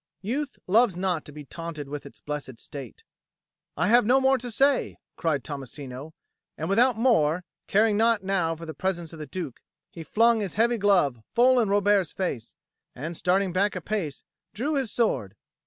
Youth loves not to be taunted with its blessed state. "I have no more to say," cried Tommasino; and without more, caring naught now for the presence of the Duke, he flung his heavy glove full in Robert's face, and, starting back a pace, drew his sword.